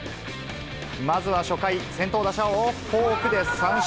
まずは初回、先頭打者をフォークで三振。